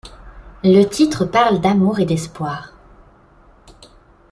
Le titre parle d’amour et d’espoir.